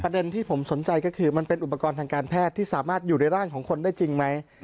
ที่ผมสนใจก็คือมันเป็นอุปกรณ์ทางการแพทย์ที่สามารถอยู่ในร่างของคนได้จริงไหม